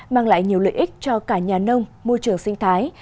mang lại nhiều lợi ích cho cả nhà nông môi trường sinh thái